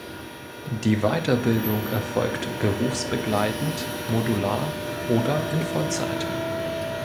Die Weiterbildung erfolgt berufsbegleitend, modular oder in Vollzeit.